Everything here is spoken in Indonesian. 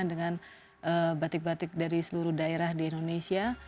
dengan batik batik dari seluruh daerah di indonesia